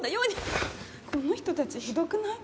この人たちひどくない？